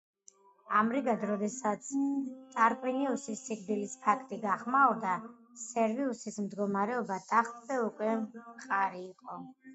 ამრიგად როდესაც ტარკვინიუსის სიკვდილის ფაქტი გახმაურდა სერვიუსის მდგომარეობა ტახტზე უკვე მყარი იყო.